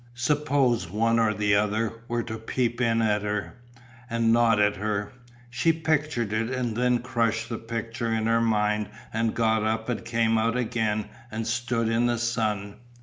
Suppose one or the other were to peep in at her, and nod at her she pictured it and then crushed the picture in her mind and got up and came out again and stood in the sun.